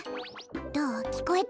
どうきこえた？